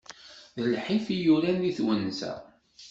D lḥif i yuran di twenza.